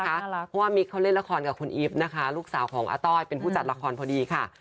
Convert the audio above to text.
เพราะว่ามิ๊กเขาเล่นละครกับคุณอีฟนะคะลูกสาวของอาต้อยเป็นผู้จัดละครพอดีค่ะ